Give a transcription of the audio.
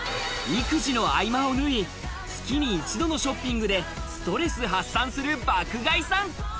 育児の合間を縫い、月に一度のショッピングでストレス発散する爆買いさん。